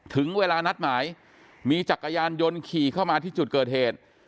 ถึงเวลานัดหมายมีจักรยานยนต์ขี่เข้ามาที่จุดเกิดเหตุ